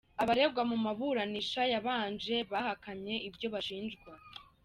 Abaregwa mu maburanisha yabanje bahakanye ibyo bashinjwa.